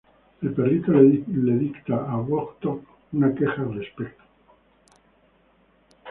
El perrito le dicta a Woodstock una queja al respecto.